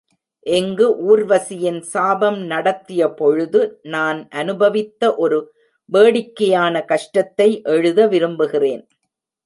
இங்கு ஊர்வசியின் சாபம் நடத்தியபொழுது நான் அனுபவித்த ஒரு வேடிக்கையான கஷ்டத்தை எழுத விரும்புகிறேன்.